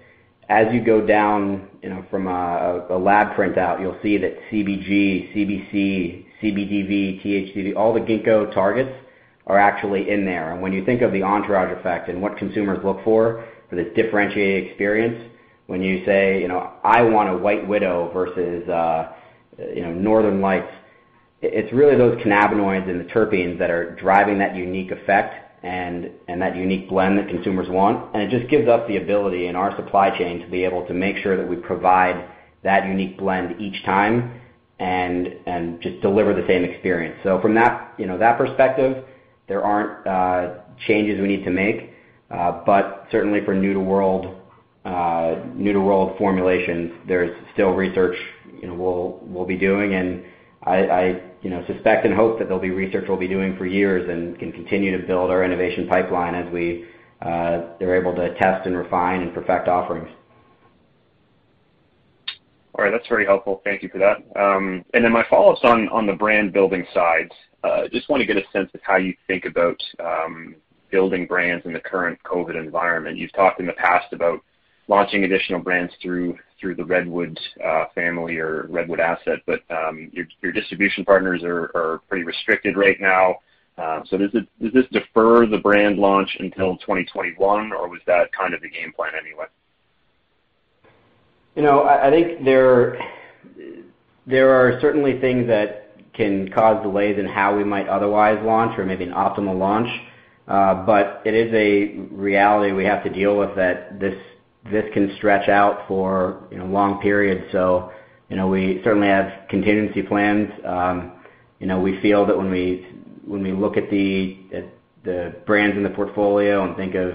as you go down from a lab printout, you'll see that CBG, CBC, CBDV, THCV, all the Ginkgo targets are actually in there. When you think of the entourage effect and what consumers look for this differentiated experience, when you say, "I want a White Widow versus Northern Lights," it's really those cannabinoids and the terpenes that are driving that unique effect and that unique blend that consumers want. It just gives us the ability in our supply chain to be able to make sure that we provide that unique blend each time and just deliver the same experience. From that perspective, there aren't changes we need to make. Certainly for new-to-world formulations, there's still research we'll be doing, and I suspect and hope that there'll be research we'll be doing for years and can continue to build our innovation pipeline as we are able to test and refine and perfect offerings. All right. That's very helpful. Thank you for that. My follow-up's on the brand-building side. Just want to get a sense of how you think about building brands in the current COVID environment. You've talked in the past about launching additional brands through the Redwood family or Redwood asset, but your distribution partners are pretty restricted right now. Does this defer the brand launch until 2021, or was that kind of the game plan anyway? You know I think there are certainly things that can cause delays in how we might otherwise launch or maybe an optimal launch. But it is a reality we have to deal with that this can stretch out for long periods. We certainly have contingency plans. We feel that when we look at the brands in the portfolio and think of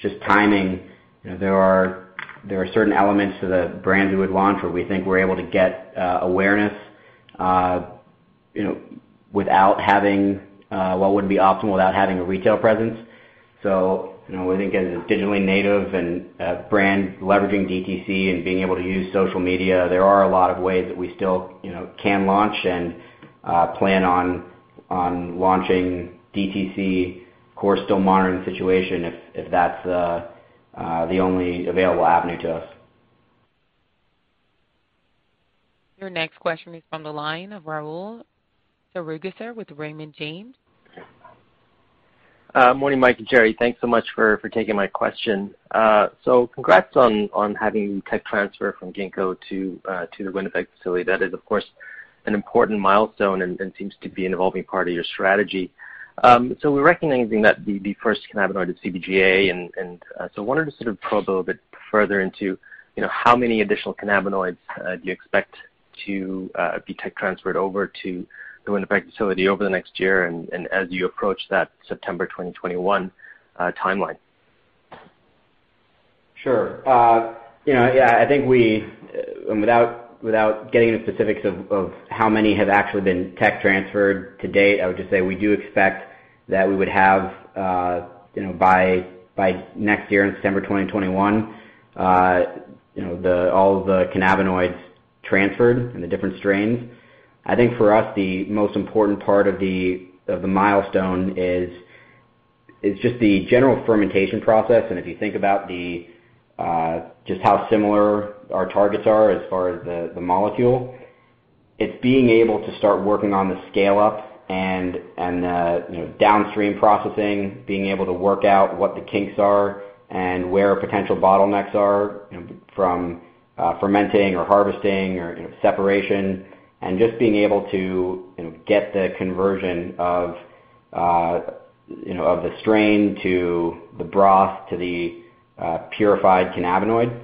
just timing, there are certain elements to the brands we would launch where we think we're able to get awareness what would be optimal without having a retail presence. We think as a digitally native and a brand leveraging DTC and being able to use social media, there are a lot of ways that we still can launch and plan on launching DTC. Of course, still monitoring the situation if that's the only available avenue to us. Your next question is from the line of Rahul Sarugaser with Raymond James. Morning, Mike and Jerry. Thanks so much for taking my question. Congrats on having tech transfer from Ginkgo to the Winnipeg facility. That is, of course, an important milestone and seems to be an evolving part of your strategy. We're recognizing that the first cannabinoid is CBGA, and so wanted to sort of probe a little bit further into how many additional cannabinoids do you expect to be tech transferred over to the Winnipeg facility over the next year and as you approach that September 2021 timeline? Sure. I think without getting into specifics of how many have actually been tech transferred to date, I would just say we do expect that we would have by next year, in September 2021, all of the cannabinoids transferred and the different strains. I think for us, the most important part of the milestone is just the general fermentation process, and if you think about just how similar our targets are as far as the molecule, it's being able to start working on the scale-up and the downstream processing, being able to work out what the kinks are and where potential bottlenecks are from fermenting or harvesting or separation and just being able to get the conversion of the strain to the broth to the purified cannabinoid.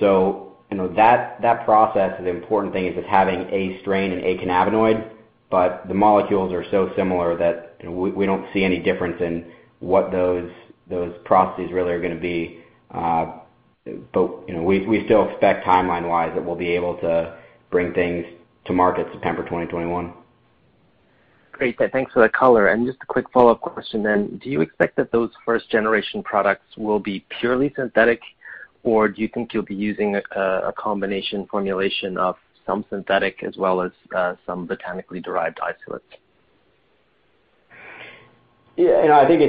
So on that process, the important thing is it's having a strain and a cannabinoid, the molecules are so similar that we don't see any difference in what those processes really are going to be. We still expect timeline-wise that we'll be able to bring things to market September 2021. Great. Thanks for that call. Just a quick follow-up question then. Do you expect that those first-generation products will be purely synthetic, or do you think you'll be using a combination formulation of some synthetic as well as some botanically derived isolates? I think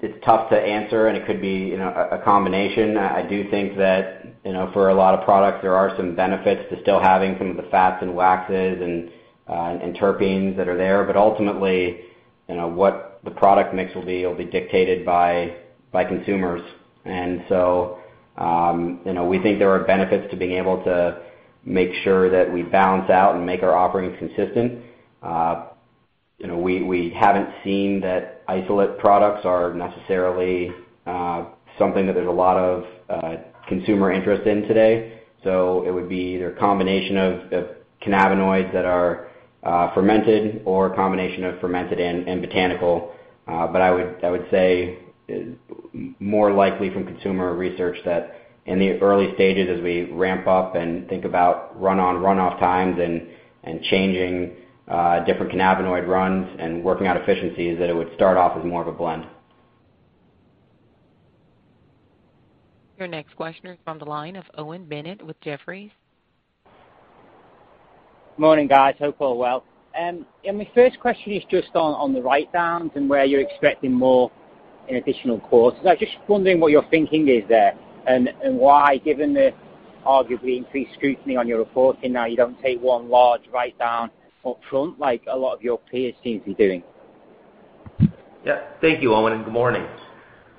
it's tough to answer and it could be a combination. I do think that for a lot of products, there are some benefits to still having some of the fats and waxes and terpenes that are there. Ultimately, what the product mix will be will be dictated by consumers. And so we think there are benefits to being able to make sure that we balance out and make our offerings consistent. We haven't seen that isolate products are necessarily something that there's a lot of consumer interest in today. It would be either a combination of cannabinoids that are fermented or a combination of fermented and botanical. I would say, more likely from consumer research, that in the early stages as we ramp up and think about run-on, run-off times and changing different cannabinoid runs and working out efficiencies, that it would start off as more of a blend. Your next question is from the line of Owen Bennett with Jefferies. Morning, guys. Hope all well. My first question is just on the write-downs and where you're expecting more in additional costs. I was just wondering what your thinking is there, and why, given the arguably increased scrutiny on your reporting now, you don't take one large write-down up front like a lot of your peers seem to be doing. Yeah, thank you, Owen, and good morning.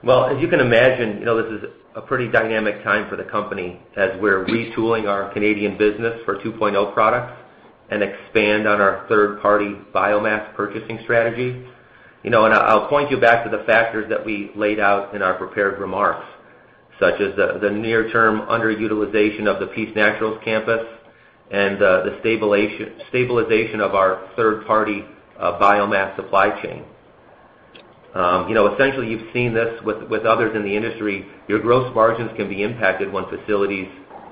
Well, as you can imagine, this is a pretty dynamic time for the company as we're retooling our Canadian business for two point zero products and expand on our third-party biomass purchasing strategy. I'll point you back to the factors that we laid out in our prepared remarks, such as the near-term underutilization of the Peace Naturals campus and the stabilization of our third-party biomass supply chain. Essentially, you've seen this with others in the industry, your gross margins can be impacted when facilities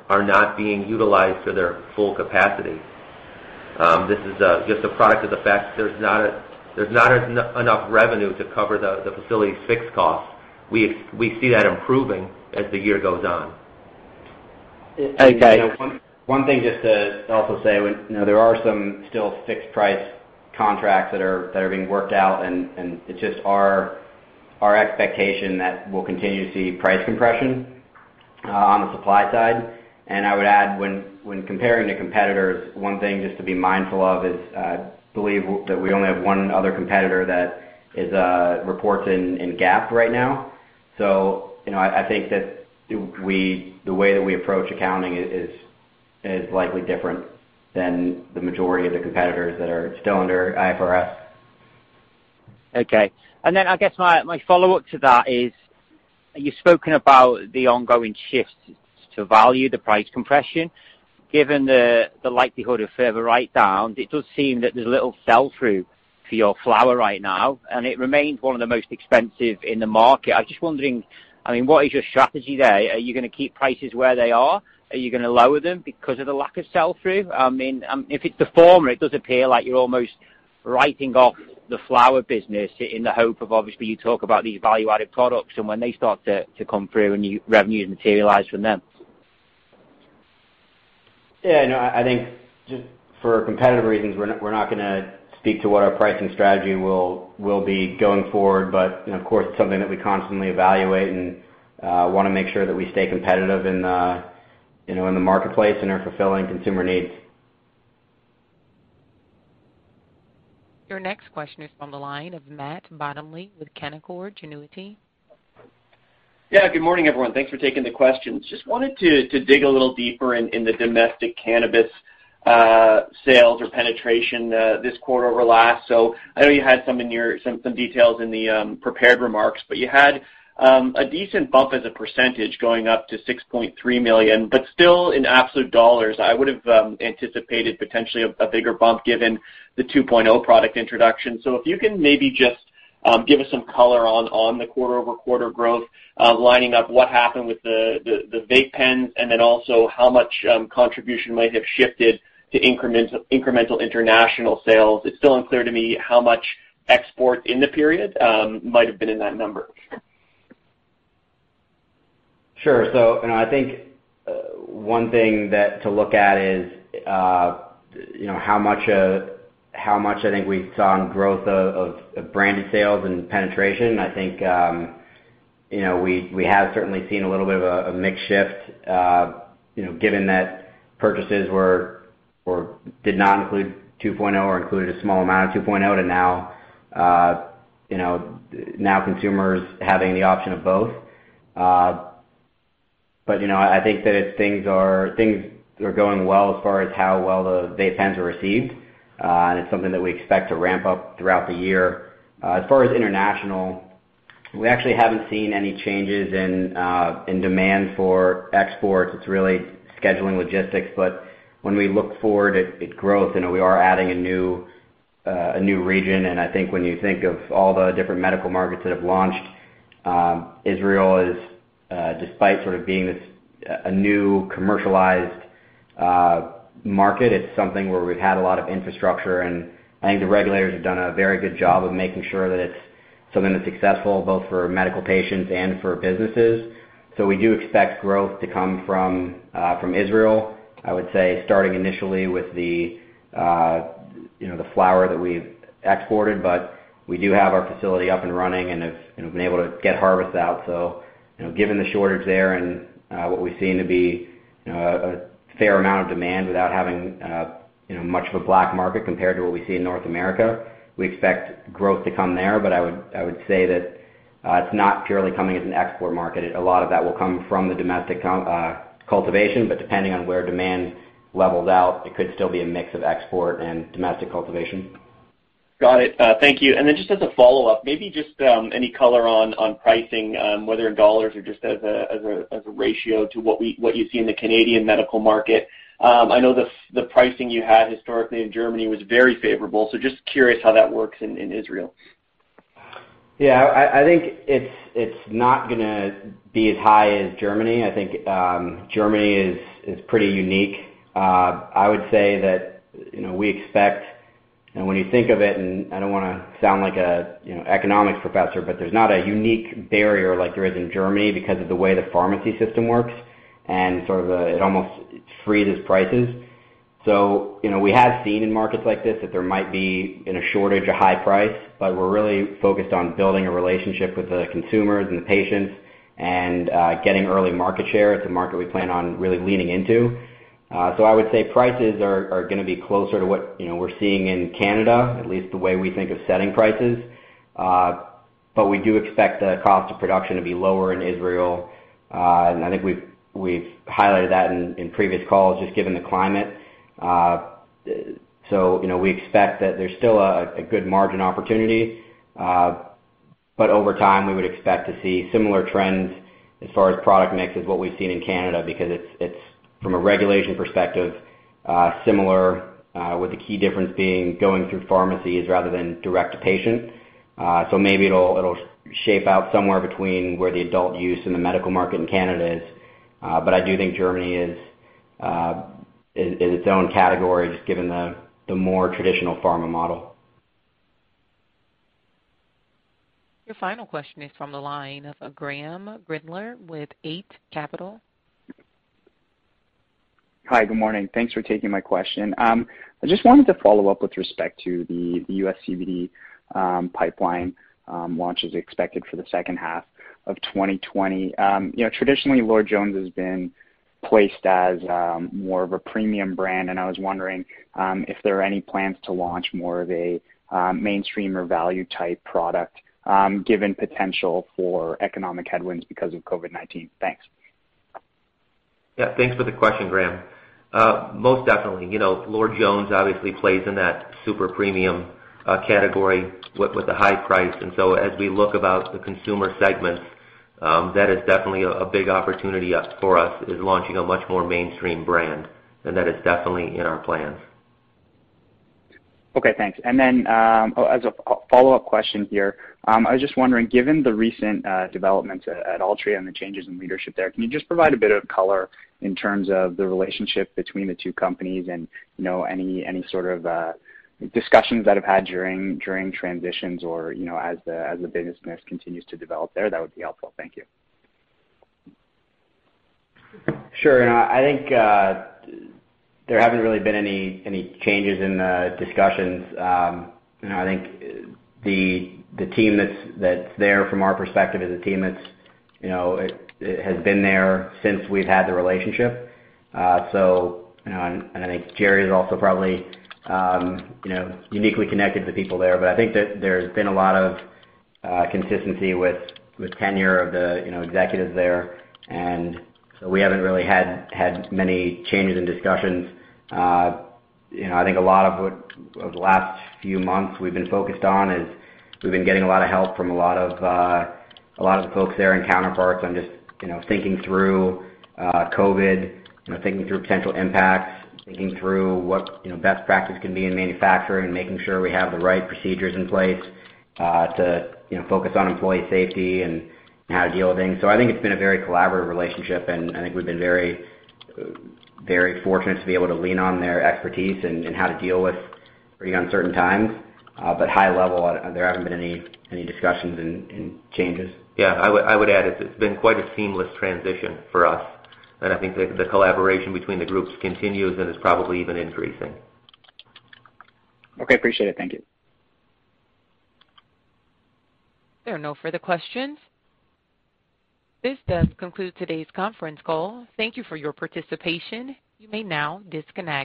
are not being utilized to their full capacity. This is just a product of the fact there's not enough revenue to cover the facility's fixed costs. We see that improving as the year goes on. Okay. One thing just to also say, there are some still fixed price contracts that are being worked out. It's just our expectation that we'll continue to see price compression on the supply side. I would add, when comparing to competitors, one thing just to be mindful of is, I believe that we only have one other competitor that reports in GAAP right now. I think that the way that we approach accounting is likely different than the majority of the competitors that are still under IFRS. Okay. I guess my follow-up to that is, you've spoken about the ongoing shifts to value, the price compression. Given the likelihood of further write-downs, it does seem that there's little sell-through for your flower right now, and it remains one of the most expensive in the market. I was just wondering, what is your strategy there? Are you going to keep prices where they are? Are you going to lower them because of the lack of sell-through? If it's the former, it does appear like you're almost writing off the flower business in the hope of, obviously, you talk about these value-added products and when they start to come through and revenues materialize from them. Yeah, no, I think just for competitive reasons, we're not going to speak to what our pricing strategy will be going forward. Of course, it's something that we constantly evaluate and want to make sure that we stay competitive in the marketplace and are fulfilling consumer needs. Your next question is from the line of Matt Bottomley with Canaccord Genuity. Good morning, everyone. Thanks for taking the questions. Just wanted to dig a little deeper in the domestic cannabis sales or penetration this quarter-over-last. I know you had some details in the prepared remarks, but you had a decent bump as a percentage going up to 6.3 million, but still in absolute dollars, I would've anticipated potentially a bigger bump given the 2.0 product introduction. If you can maybe just give us some color on the quarter-over-quarter growth, lining up what happened with the vape pens, and then also how much contribution might have shifted to incremental international sales. It's still unclear to me how much export in the period might have been in that number. Sure. I think one thing to look at is how much I think we saw in growth of branded sales and penetration. I think we have certainly seen a little bit of a mix shift given that purchases did not include 2.0 or included a small amount of 2.0, to now consumers having the option of both. I think that things are going well as far as how well the vape pens are received, and it's something that we expect to ramp up throughout the year. As far as international, we actually haven't seen any changes in demand for exports. It's really scheduling logistics. When we look forward at growth, we are adding a new region, I think when you think of all the different medical markets that have launched, Israel is, despite sort of being this new commercialized market, it's something where we've had a lot of infrastructure, and I think the regulators have done a very good job of making sure that it's something that's successful both for medical patients and for businesses. We do expect growth to come from Israel, I would say starting initially with the flower that we've exported, but we do have our facility up and running and have been able to get harvests out. Given the shortage there and what we've seen to be a fair amount of demand without having much of a black market compared to what we see in North America, we expect growth to come there. I would say that it's not purely coming as an export market. A lot of that will come from the domestic cultivation, but depending on where demand levels out, it could still be a mix of export and domestic cultivation. Got it. Thank you. Then just as a follow-up, maybe just any color on pricing, whether in dollars or just as a ratio to what you see in the Canadian medical market. I know the pricing you had historically in Germany was very favorable, so just curious how that works in Israel. Yeah, I think it's not going to be as high as Germany. I think Germany is pretty unique. I would say that we expect, and when you think of it, and I don't want to sound like an economics professor, but there's not a unique barrier like there is in Germany because of the way the pharmacy system works, and it almost freezes prices. So we have seen in markets like this that there might be, in a shortage, a high price, but we're really focused on building a relationship with the consumers and the patients and getting early market share. It's a market we plan on really leaning into. I would say prices are going to be closer to what we're seeing in Canada, at least the way we think of setting prices. We do expect the cost of production to be lower in Israel, and I think we've highlighted that in previous calls, just given the climate. We expect that there's still a good margin opportunity, but over time, we would expect to see similar trends as far as product mix as what we've seen in Canada because it's, from a regulation perspective, similar, with the key difference being going through pharmacies rather than direct to patient. Maybe it'll shape out somewhere between where the adult use and the medical market in Canada is. I do think Germany is its own category, just given the more traditional pharma model. Your final question is from the line of Graeme Kreindler with Eight Capital. Hi, good morning. Thanks for taking my question. I just wanted to follow up with respect to the U.S. CBD pipeline launch as expected for the H2 of 2020. Traditionally, Lord Jones has been placed as more of a premium brand, and I was wondering if there are any plans to launch more of a mainstream or value-type product given potential for economic headwinds because of COVID-19. Thanks. Yeah, thanks for the question, Graeme. Most definitely. Lord Jones obviously plays in that super premium category with the high price, and so as we look about the consumer segments, that is definitely a big opportunity for us is launching a much more mainstream brand, and that is definitely in our plans. Okay, thanks. As a follow-up question here, I was just wondering, given the recent developments at Altria and the changes in leadership there, can you just provide a bit of color in terms of the relationship between the two companies and any sort of discussions that have had during transitions or as the business mix continues to develop there? That would be helpful. Thank you. Sure. I think there haven't really been any changes in the discussions. I think the team that's there from our perspective is a team that has been there since we've had the relationship. I think Jerry is also probably uniquely connected to people there. I think that there's been a lot of consistency with tenure of the executives there, we haven't really had many changes in discussions. I think a lot of the last few months we've been focused on is we've been getting a lot of help from a lot of the folks there and counterparts on just thinking through COVID-19, thinking through potential impacts, thinking through what best practice can be in manufacturing, making sure we have the right procedures in place to focus on employee safety and how to deal with things. I think it's been a very collaborative relationship, and I think we've been very fortunate to be able to lean on their expertise in how to deal with pretty uncertain times. High level, there haven't been any discussions and changes. Yeah, I would add it's been quite a seamless transition for us, and I think the collaboration between the groups continues and is probably even increasing. Okay, appreciate it. Thank you. There are no further questions. This does conclude today's conference call. Thank you for your participation. You may now disconnect.